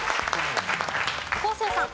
昴生さん。